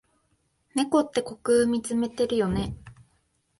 猫って虚空みつめてるよね。